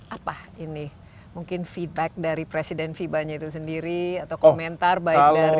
apa ini mungkin feedback dari presiden fibanya itu sendiri atau komentar baik dari